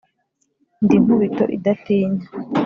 Ndi Nkubito idatinya,